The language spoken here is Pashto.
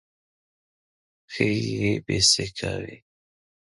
پښې يې بېسېکه وې.